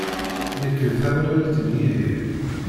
Nekk d tamalalt n Yidir.